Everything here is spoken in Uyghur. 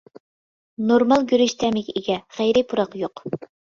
نورمال گۈرۈچ تەمىگە ئىگە، غەيرىي پۇراق يوق.